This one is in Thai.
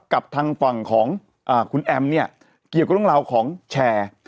กับทางฝั่งของคุณแอมเนี่ยเกี่ยวกับเรื่องราวของแชร์